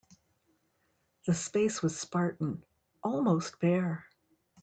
The space was spartan, almost bare.